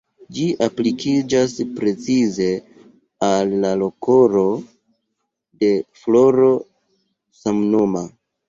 Ĝi aplikiĝas precize al la koloro de floro samnoma.